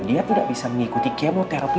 dia tidak bisa mengikuti kemoterapi